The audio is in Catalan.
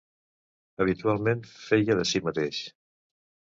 Habitualment feia de si mateix.